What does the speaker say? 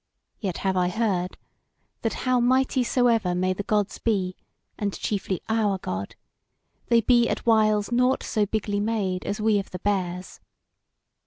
Yet have I heard, that how mighty soever may the Gods be, and chiefly our God, they be at whiles nought so bigly made as we of the Bears.